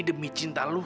kau mau ngapain